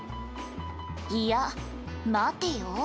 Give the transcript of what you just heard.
「いや待てよ」